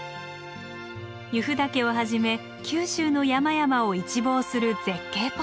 由布岳をはじめ九州の山々を一望する絶景ポイント。